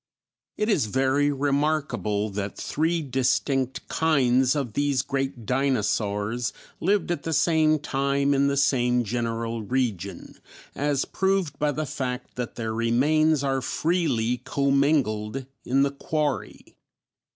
_ It is very remarkable that three distinct kinds of these great dinosaurs lived at the same time in the same general region, as proved by the fact that their remains are freely commingled in the quarry.